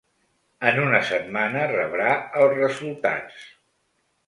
En una setmana rebrà el resultats.